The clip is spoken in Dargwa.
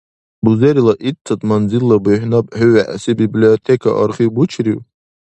Бузерила итцад манзилла бухӀнаб хӀу вегӀси библиотека, архив бучирив?